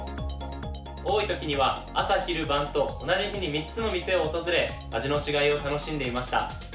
多いときには朝昼晩と同じ日に３つの店を訪れ味の違いを楽しんでいました。